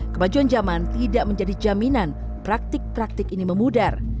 kemajuan zaman tidak menjadi jaminan praktik praktik ini memudar